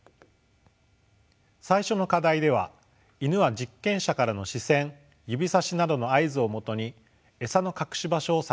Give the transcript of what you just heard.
最初の課題ではイヌは実験者からの視線指さしなどの合図をもとに餌の隠し場所を探しました。